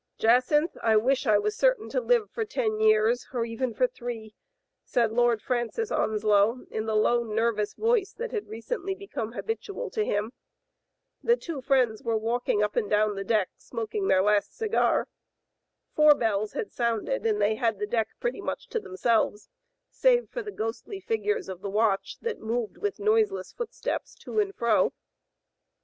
"Jadynth, I wish I was certain to live for ten years or even for three,^* said Lord Francis On slow, in the low, nerveless voice that had recently become habitual to him. The two friends were Digitized by Google H. W. LUCY. 2$! walking up and down the deck smoking their last cigar. Four bells had sounded and they had the deck pretty much to themselves, save for the ghostly figures of the watch that moved with noiseless footsteps to and fro.